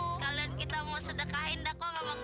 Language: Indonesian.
sekalian kita mau sedekah indah kok gak bang